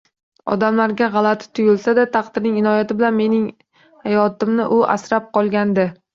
Odamlarga g`alati tuyilsa-da, taqdirning inoyati bilan mening hayotimni u asrab qolgandi